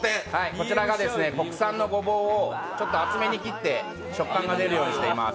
こちらが国産のごぼうをちょっと厚めに切って、食感が出るようにしています。